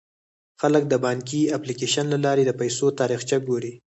خلک د بانکي اپلیکیشن له لارې د پيسو تاریخچه ګوري.